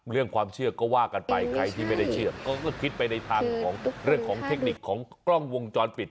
เรื่องความเชื่อก็ว่ากันไปใครที่ไม่ได้เชื่อเขาก็คิดไปในทางของเรื่องของเทคนิคของกล้องวงจรปิด